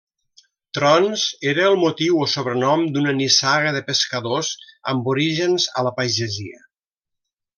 Trons era el motiu o sobrenom d’una nissaga de pescadors amb orígens a la pagesia.